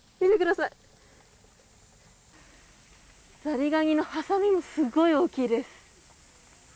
ザリガニのはさみもすごい大きいです。